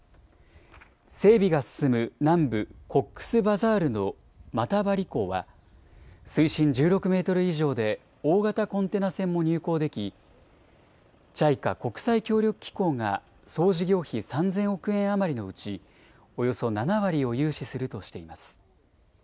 整備が進む南部コックスバザールのマタバリ港は水深１６メートル以上で大型コンテナ船も入港できＪＩＣＡ・国際協力機構が総事業費３０００億円余りのうちおよそ７割を融資するとしています。